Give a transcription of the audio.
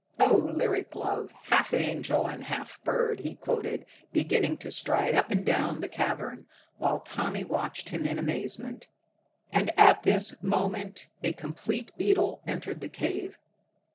'Oh lyric love, half angel and half bird!'" he quoted, beginning to stride up and down the cavern, while Tommy watched him in amazement. And at this moment a complete beetle entered the cave.